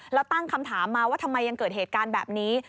แล้วตั้งคำถามมาว่าทำไมยังเกิดเหตุการณ์แบบนี้